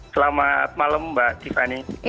selamat malam mbak tiffany